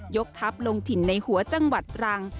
กทัพลงถิ่นในหัวจังหวัดรัง